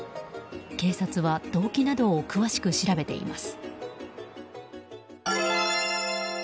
警察は動機などを詳しく調べています。